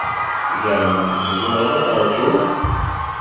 Zeɛma tzemreḍ ad taṛǧuḍ?